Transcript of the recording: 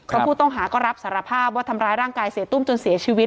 เพราะผู้ต้องหาก็รับสารภาพว่าทำร้ายร่างกายเสียตุ้มจนเสียชีวิต